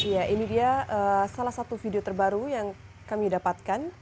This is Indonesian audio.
ya ini dia salah satu video terbaru yang kami dapatkan